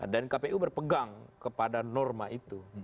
dan kpu berpegang kepada norma itu